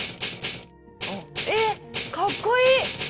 えっかっこいい！